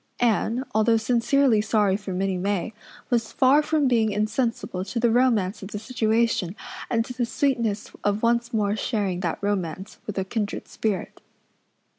Anne, although sincerely sorry for Minnie May, was far from being insensible to the romance of the situation and to the sweetness of once more sharing that romance with a kindred spirit.